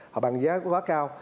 họ bán giá quá cao